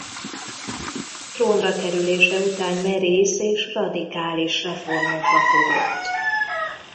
Trónra kerülése után merész és radikális reformokba fogott.